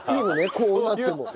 こうなっても。